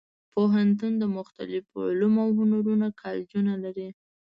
پوهنتون د مختلفو علومو او هنرونو کالجونه لري.